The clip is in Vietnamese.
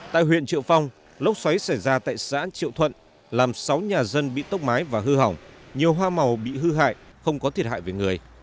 tại huyện triệu phong lốc xoáy xảy ra tại xã triệu thuận làm sáu nhà dân bị tốc mái và hư hỏng nhiều hoa màu bị hư hại không có thiệt hại về người